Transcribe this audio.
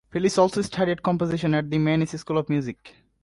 Phyllis also studied composition at the Mannes School of Music.